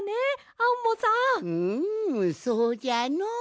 うんそうじゃのう。